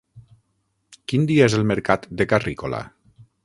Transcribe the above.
Quin dia és el mercat de Carrícola?